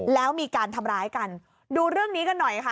แล้วมีการทำร้ายกันดูเรื่องนี้กันหน่อยค่ะ